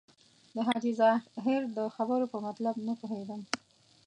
د حاجي ظاهر د خبرو په مطلب نه پوهېدم.